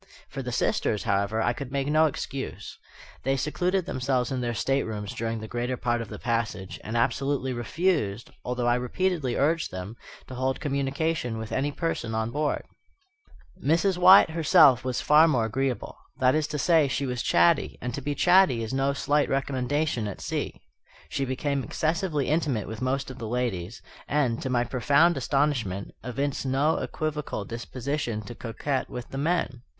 For the sisters, however, I could make no excuse. They secluded themselves in their staterooms during the greater part of the passage, and absolutely refused, although I repeatedly urged them, to hold communication with any person on board. Mrs. Wyatt herself was far more agreeable. That is to say, she was chatty; and to be chatty is no slight recommendation at sea. She became excessively intimate with most of the ladies; and, to my profound astonishment, evinced no equivocal disposition to coquet with the men.